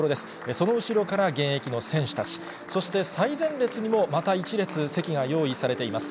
その後ろから現役の選手たち、そして最前列にも、また１列、席が用意されています。